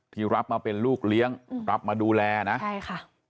ที่รับมาเป็นลูกเลี้ยงรับมาดูแลนะใช่ค่ะ